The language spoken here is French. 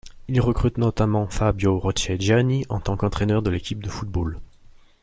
Il recrute notamment Fabio Roccheggiani en tant qu'entraîneur de l'équipe de football.